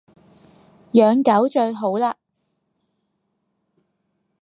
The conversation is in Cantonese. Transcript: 養狗最好喇